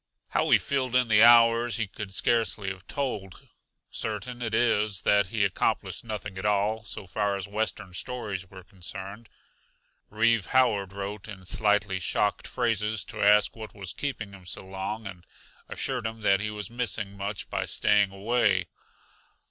How he filled in the hours he could scarcely have told; certain it is that he accomplished nothing at all so far as Western stories were concerned. Reeve Howard wrote in slightly shocked phrases to ask what was keeping him so long; and assured him that he was missing much by staying away.